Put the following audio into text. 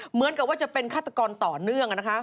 เหมือนกับว่าจะเป็นฆาตกรต่อเนื่อง